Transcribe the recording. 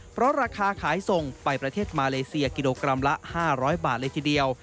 เพราะราคาขายส่งไปประเทศมาเลเซียกิโลกรัมละ๕๐๐บาทเลยทีเดียว